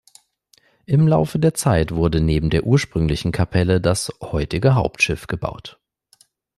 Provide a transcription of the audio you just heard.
Im Laufe der Zeit wurde neben der ursprünglichen Kapelle das heutige Hauptschiff gebaut.